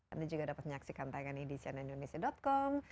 anda juga dapat menyaksikan tayangan ini di cnnindonesia com